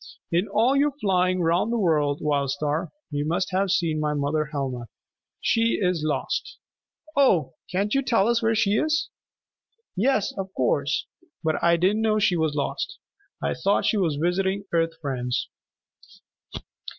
"In all your flying 'round the world, Wild Star, you must have seen my mother Helma. She is lost. Oh, can't you tell us where she is?" "Yes, of course. But I didn't know she was lost. I thought she was visiting Earth friends."